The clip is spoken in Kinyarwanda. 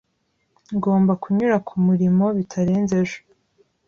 Ngomba kunyura kumurimo bitarenze ejo.